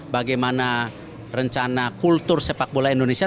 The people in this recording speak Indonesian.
bagaimana rencana kultur sepak bola indonesia